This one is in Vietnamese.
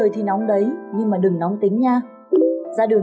phòng cảnh sát hình sự